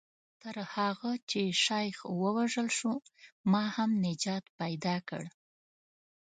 تر هغه چې شیخ ووژل شو ما هم نجات پیدا کړ.